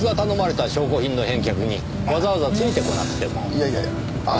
いやいやいやあ